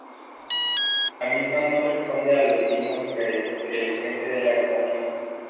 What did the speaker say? La misma no responde a los mismos intereses que el frente de la estación.